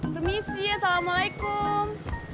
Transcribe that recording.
permisi ya assalamualaikum